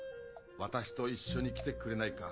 私と一緒に来てくれないか？